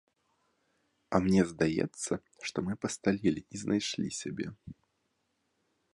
А мне здаецца, што мы пасталелі і знайшлі сябе.